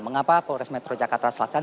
mengapa polres metro jakarta selatan